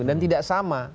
dan tidak sama